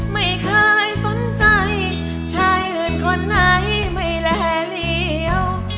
ไม่เคยสนใจชายอื่นคนไหนไม่แลเหลี่ยว